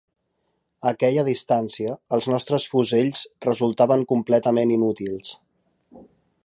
A aquella distància, els nostres fusells resultaven completament inútils.